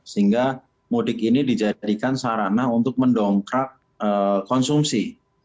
sehingga mudik ini dijadikan sarana untuk mendongkrak konsumsi